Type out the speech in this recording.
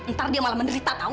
ntar dia malah menderita tahu